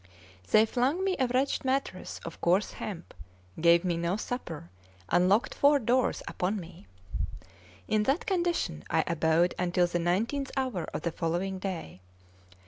They flung me a wretched mattress of course hemp, gave me no supper, and locked four doors upon me. In that condition I abode until the nineteenth hour of the following day.